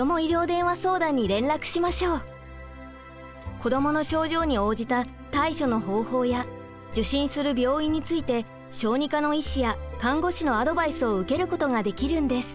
子どもの症状に応じた対処の方法や受診する病院について小児科の医師や看護師のアドバイスを受けることができるんです。